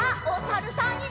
おさるさん。